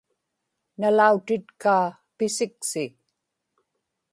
nalautitkaa pisiksi